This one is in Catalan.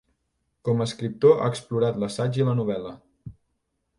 Com a escriptor ha explorat l'assaig i la novel·la.